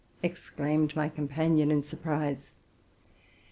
ex claimed my companion in surprise.